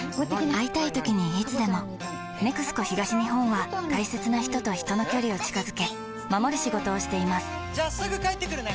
会いたいときにいつでも「ＮＥＸＣＯ東日本」は大切な人と人の距離を近づけ守る仕事をしていますじゃあすぐ帰ってくるね！